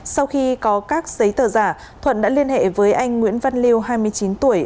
sau khi có các giấy tờ giả thuận đã liên hệ với anh nguyễn văn liêu hai mươi chín tuổi